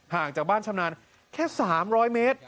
ห่างจากบ้านชำนาญแค่๓๐๐เมตร